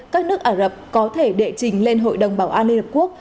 các nước ả rập có thể đệ trình lên hội đồng bảo an liên hợp quốc